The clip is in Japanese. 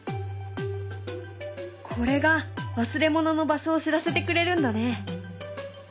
これが忘れ物の場所を知らせてくれるんだね。